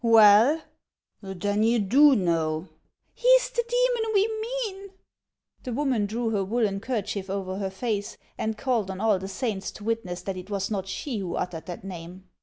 " Well !— Then you do know !— He is the demon we mean !" The woman drew her woollen kerchief over her face, and called on all the saints to witness that it was not she who uttered that name.